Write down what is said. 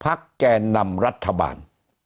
แก่นำรัฐบาล